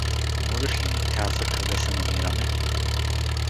Можеш ли ми каза, къде се намираме?